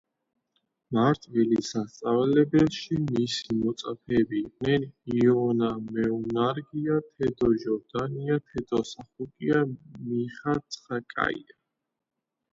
მარტვილის სასწავლებელში მისი მოწაფეები იყვნენ იონა მეუნარგია, თედო ჟორდანია, თედო სახოკია, მიხა ცხაკაია.